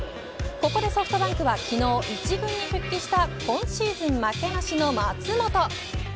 ここでソフトバンクは昨日１軍に復帰した今シーズン負けなしの松本。